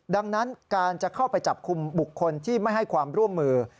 ดังนั้นการจะเข้าไปจับกลุ่มบุคคลที่ไม่ให้ความร่วมมือ